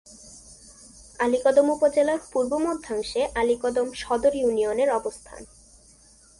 আলীকদম উপজেলার পূর্ব-মধ্যাংশে আলীকদম সদর ইউনিয়নের অবস্থান।